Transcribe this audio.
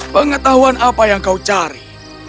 pengetahuan apa yang kau cari